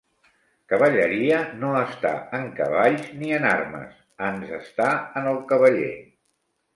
Cavalleria no està en cavalls ni en armes, ans està en el cavaller.